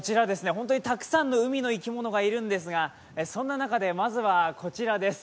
本当にたくさんの海の生き物がいるんですが、そんな中で、まずはこちらです。